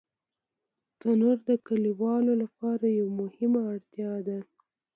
تنور د کلیوالو لپاره یوه مهمه اړتیا ده